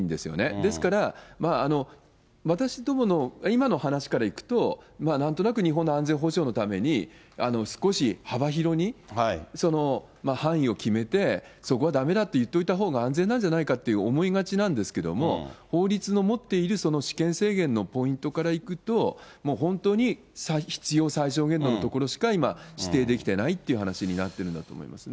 ですから、私どもの、今の話からいくと、なんとなく日本の安全保障のために、少し幅広に範囲を決めて、そこはだめだと言っといたほうが安全なんじゃないかって思いがちなんですけども、法律の持っている私権制限のポイントからいくと、もう本当に必要最小限度のところしか今、指定できてないという話になってるんだと思いますね。